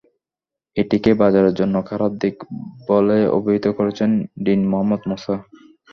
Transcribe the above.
এটিকে বাজারের জন্য খারাপ দিক বলে অভিহিত করেছেন িডন মোহাম্মদ মূসা।